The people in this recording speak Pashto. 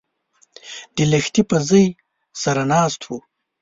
د لښتي په ژۍ سره ناست و